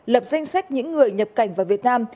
lập danh sách những người nhập cảnh vào việt nam